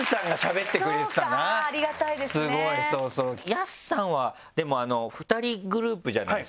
ＹＡＳＵさんはでも２人グループじゃないですか。